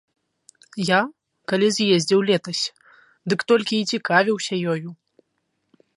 Я, калі з'ездзіў летась, дык толькі і цікавіўся ёю.